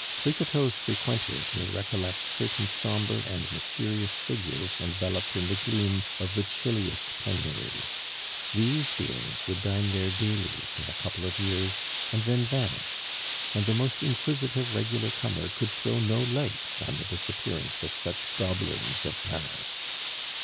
Flicoteaux's frequenters may recollect certain sombre and mysterious figures enveloped in the gloom of the chilliest penury; these beings would dine there daily for a couple of years and then vanish, and the most inquisitive regular comer could throw no light on the disappearance of such goblins of Paris.